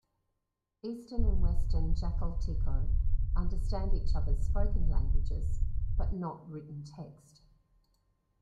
Eastern and Western Jakalteko understand each other's spoken languages, but not written text.